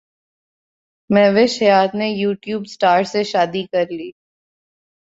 مہوش حیات نے YouTube star سے شادی کرلی